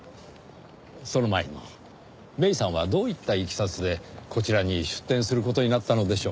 その前に芽依さんはどういったいきさつでこちらに出店する事になったのでしょう？